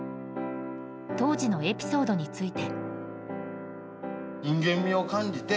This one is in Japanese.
当時のエピソードについて。